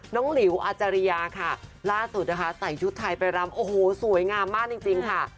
น้องหลิวอาจารยาล่าสุดใส่ชุดไทยไปรำสวยงามมากจริงค่ะ